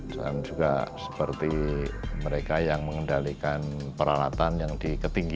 dan juga seperti mereka yang mengendalikan peralatan yang diketinggi